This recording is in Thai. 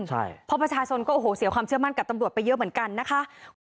เพราะประชาชนก็โอ้โหเสียความเชื่อมั่นกับตำรวจไปเยอะเหมือนกันนะคะ